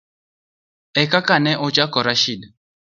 ekaka ne ochako Rashid